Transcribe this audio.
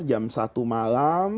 jam satu malam